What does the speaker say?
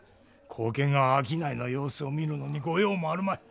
後見が商いの様子を見るのにご用もあるまい。